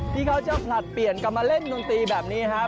ที่เขาจะผลัดเปลี่ยนกันมาเล่นดนตรีแบบนี้ครับ